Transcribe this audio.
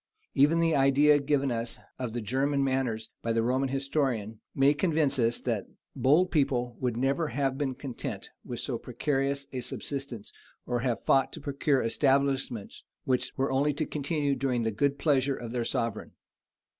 Even the idea given us of the German manners by the Roman historian, may convince us, that that bold people would never have been content with so precarious a subsistence, or have fought to procure establishments which were only to continue during the good pleasure of their sovereign.